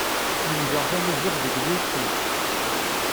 Lemdeɣ tamaziɣt deg YouTube.